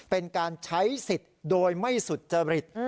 เป็นการใช้สิทธิ์โดยไม่สุจริต